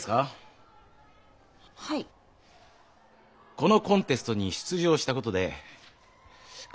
このコンテストに出場したことで彼